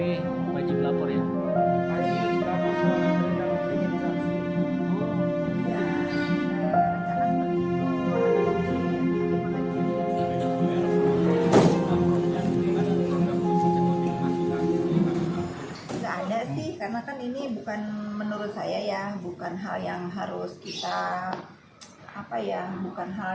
enggak ada sih karena kan ini bukan menurut saya ya bukan hal yang harus kita apa yang bukan hal